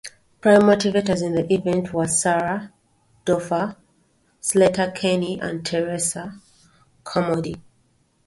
Prime motivators in the event were Sarah Dougher, Sleater-Kinney, and Teresa Carmody.